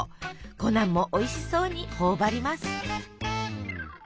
コナンもおいしそうに頬張ります。